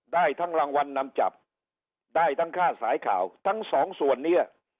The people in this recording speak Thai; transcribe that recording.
ได้ทั้งรางวัลนำจับได้ทั้งค่าสายข่าวทั้งสองส่วนนี้